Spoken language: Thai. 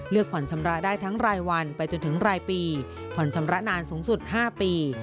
ผ่อนชำระได้ทั้งรายวันไปจนถึงรายปีผ่อนชำระนานสูงสุด๕ปี